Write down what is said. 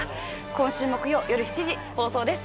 今週木曜夜７時放送です